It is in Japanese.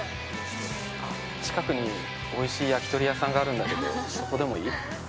近くにおいしい焼き鳥屋さんがあるんだけどそこでもいい？